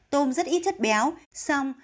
tôm rất ít chất béo song